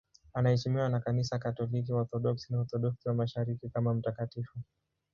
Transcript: Anaheshimiwa na Kanisa Katoliki, Waorthodoksi na Waorthodoksi wa Mashariki kama mtakatifu.